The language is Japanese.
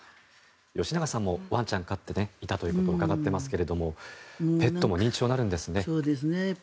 吉永さんもワンちゃんを飼っていたということを伺っていますがペットも認知症になるんですね。